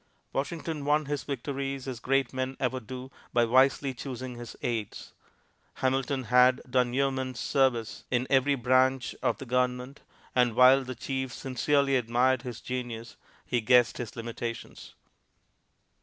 Washington won his victories, as great men ever do, by wisely choosing his aides. Hamilton had done yeoman's service in every branch of the government, and while the chief sincerely admired his genius, he guessed his limitations.